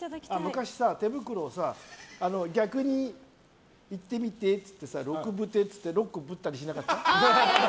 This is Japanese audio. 昔さ手袋をさ逆に言ってみてっていってろくぶてって言って６回ぶったりしなかった？